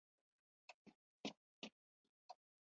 او بل چې لالچ يا حرص ئې واخلي -